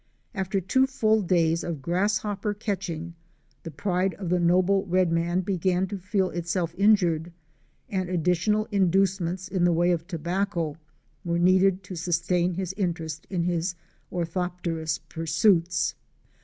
After two full days of grasshopper catching, the pride of the noble red man began to feel itself injured, and additional inducements in the way of tobacco were needed to sustain his interest in his orthopterous pursuits.